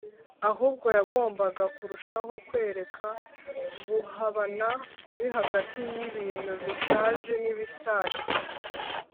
ahubwo yagombaga kurushaho kwereka guhabana kuri hagati y’ibintu bishaje n’ibishyashya